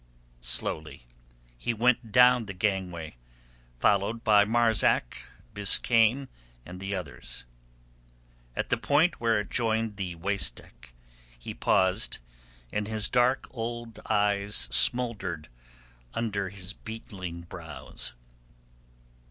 Slowly he went down the gangway, followed by Marzak, Biskaine, and the others. At the point where it joined the waist deck he paused, and his dark old eyes smouldered under his beetling brows.